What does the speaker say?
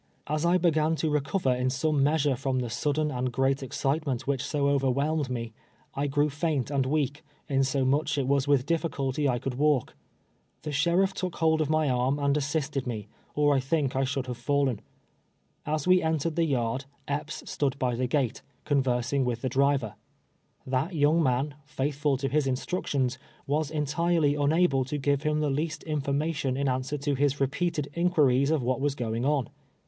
As I be gan to recover in some measure from the sudden and great excitement which so overwhelmed me, I grew faint and weak, insomuch it was with ditliculty I could walk. The sherilf took hold of my arm and assisted me, or I think I should have Mien. As we entered the yard, Epps stood by the gate, conversing with the driver. That young num, faithful to his instructions, was entirely unable to give him the least information in answer to his repeated inquiries of what was going on.